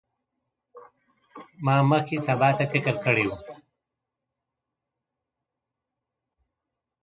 زه مخکي سبا ته فکر کړی و